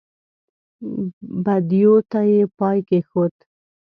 بدیو ته یې پای کېښود.